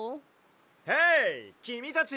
・ヘイきみたち！